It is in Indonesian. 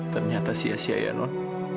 ternyata sia sia ya non